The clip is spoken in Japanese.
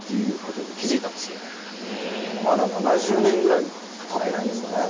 まだ７０年ぐらいしかたってないんですね。